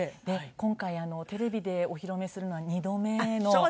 今回テレビでお披露目するのは２度目の。